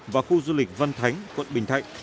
và khu du lịch văn thánh quận bình thạnh